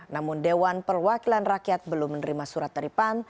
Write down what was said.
namun dewan perwakilan rakyat belum menerima surat dari pan